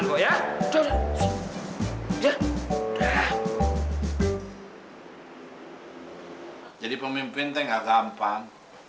soalnya pemimpin tuh gak gampang